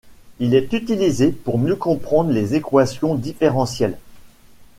Il est utilisé pour mieux comprendre les équations différentielles.